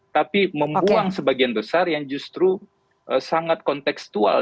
tapi membuang sebagian besar yang justru sangat konteksual